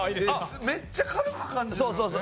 めっちゃ軽く感じる。